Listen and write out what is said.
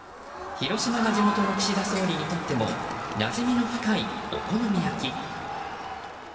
広島が地元の岸田総理にとってもなじみの深いお好み焼き。